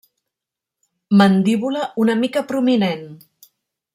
Mandíbula una mica prominent.